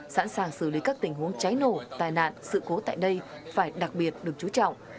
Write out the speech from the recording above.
sẵn sàng xử lý các tình huống cháy nổ tai nạn sự cố tại đây phải đặc biệt được chú trọng